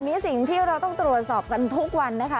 สิ่งที่เราต้องตรวจสอบกันทุกวันนะคะ